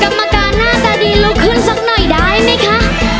กับมาการอาจดีลุกขึ้นซ๊อกหนอยได้ไหมคะ